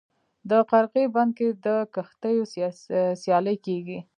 د قرغې بند کې د کښتیو سیالي کیږي.